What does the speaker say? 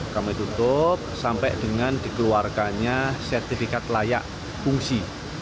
kami tutup sampai dengan dikeluarkannya sertifikat layak fungsi